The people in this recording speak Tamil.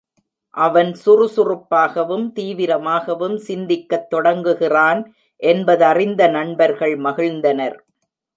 அவன் சுறுசுறுப்பாகவும் தீவிரமாகவும் சிந்திக்கத் தொடங்குகிறான் என்பதறிந்த நண்பர்கள் மகிழ்ந்தனர்.